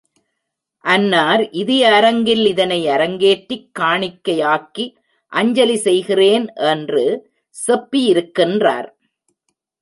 அன்னார் இதய அரங்கில் இதனை அரங்கேற்றிக் காணிக்கையாக்கி அஞ்சலி செய்கிறேன், என்று செப்பியிருக்கின்றார்.